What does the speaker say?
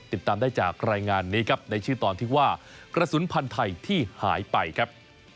ติดตามได้จากรายงานนี้ครับในชื่อตอนที่ว่ากระสุนพันธุ์ไทยที่หายไปครับ